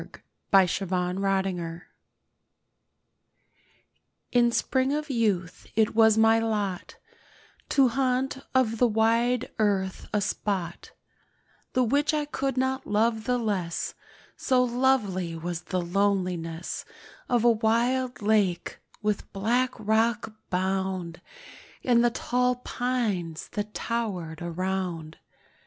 1831. THE LAKE —— TO—— In spring of youth it was my lot To haunt of the wide earth a spot The which I could not love the less— So lovely was the loneliness Of a wild lake, with black rock bound, And the tall pines that tower'd around.